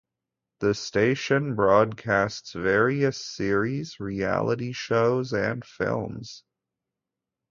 The station broadcasts various series, reality shows and films.